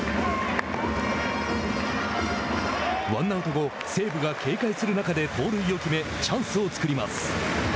ワンアウト後西武が警戒する中で盗塁を決めチャンスを作ります。